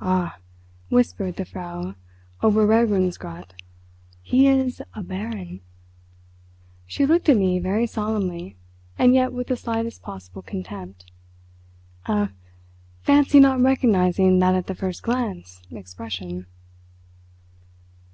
"Ah!" whispered the Frau Oberregierungsrat, "he is a Baron." She looked at me very solemnly, and yet with the slightest possible contempt—a "fancy not recognising that at the first glance" expression.